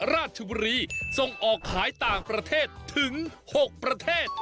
ราชบุรีส่งออกขายต่างประเทศถึง๖ประเทศ